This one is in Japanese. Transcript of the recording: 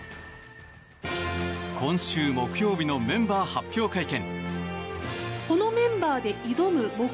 今週木曜日のメンバー発表会見。